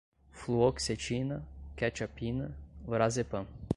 fluoxetina, quetiapina, Lorazepam